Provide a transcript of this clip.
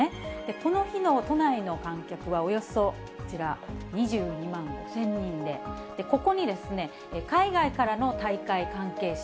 この日の都内の観客は、およそこちら、２２万５０００人で、ここに海外からの大会関係者